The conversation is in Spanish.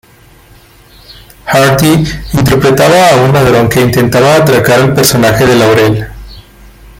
Hardy interpretaba a un ladrón que intentaba atracar al personaje de Laurel.